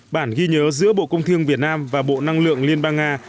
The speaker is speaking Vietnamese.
bản ghi nhớ giữa bộ công thương việt nam và bộ năng lượng liên bang nga